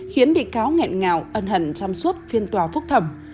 khiến bị cáo nghẹn ngạo ân hẳn chăm suốt phiên tòa phúc thẩm